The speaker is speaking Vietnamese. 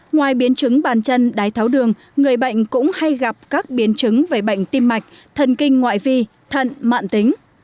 ngoài biến chứng bàn chân đái tháo đường người bệnh cũng hay gặp các biến chứng về bệnh tim mạch thần kinh ngoại vi thận mạng tính